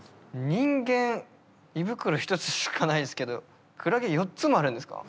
人間胃袋１つしかないですけどクラゲ４つもあるんですか？